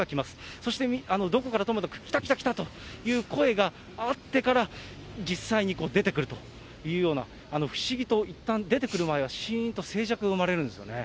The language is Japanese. そしてどこからともなく、来た来た来たという声があってから、実際に出てくるというような、不思議といったん出てくる前は、いったんしーんと静寂が生まれるんですよね。